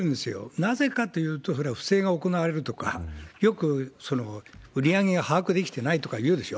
なぜかというと、それは不正が行われるとか、よく売り上げが把握できてないとかいうでしょ？